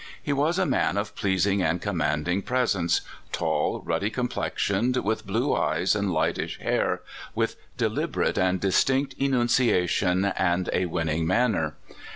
He was a man of pleasing and commandii:^ presence, tall, ruddy complexioned, with blue eyee, and liglit isli hair, wdth deliberate and distinct enunciation, and a winning manner.